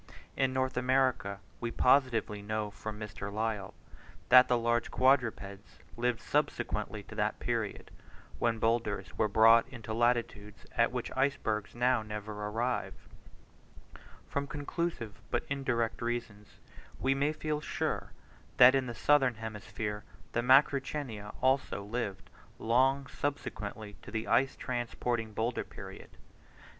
In North America we positively know from Mr. Lyell, that the large quadrupeds lived subsequently to that period, when boulders were brought into latitudes at which icebergs now never arrive: from conclusive but indirect reasons we may feel sure, that in the southern hemisphere the Macrauchenia, also, lived long subsequently to the ice transporting boulder period.